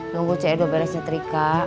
nunggu cedo beresnya trika